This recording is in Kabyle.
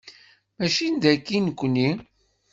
Mačči n dayi nekni.